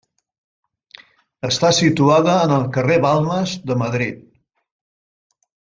Està situada en el carrer Balmes de Madrid.